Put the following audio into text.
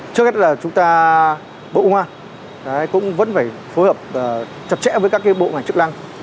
trước hết là chúng ta bỗng hoa cũng vẫn phải phối hợp chặt chẽ với các bộ ngành chức lăng